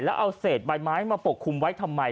แล้วเอาเศษใบไม้มาปกคลุมไว้ทำไม